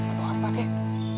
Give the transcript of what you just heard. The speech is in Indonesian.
atau apa kek